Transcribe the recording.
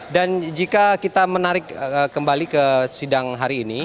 dan jika kita menarik kembali ke sidang hari ini